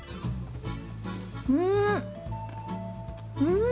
うん！